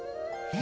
え